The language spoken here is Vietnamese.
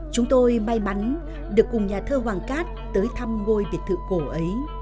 chúng tôi may mắn được cùng nhà thơ hoàng cát tới thăm ngôi biệt thự cổ ấy